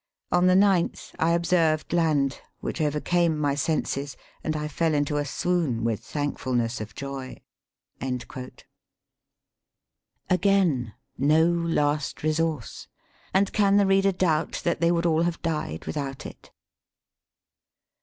On the ninth I observed land, which overcame my senses, and I fell into a swoon with thankfulness of joy." Again no last resource, and can the reader doubt that they would all have died without it